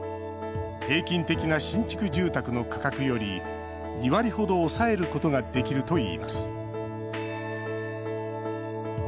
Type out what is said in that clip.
平均的な新築住宅の価格より２割ほど抑えることができるといいます。